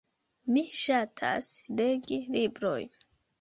Mi ŝatas legi librojn.